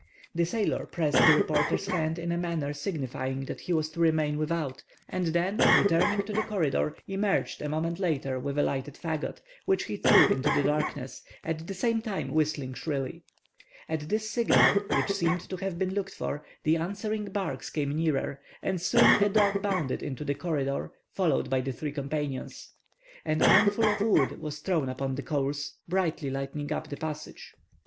The sailor pressed the reporter's hand in a manner signifying that he was to remain without, and then returning to the corridor, emerged a moment later with a lighted fagot, which he threw into the darkness, at the same time whistling shrilly. At this signal, which seemed to have been looked for, the answering barks came nearer, and soon a dog bounded into the corridor, followed by the three companions. An armful of wood was thrown upon the coals, brightly lighting up the passage.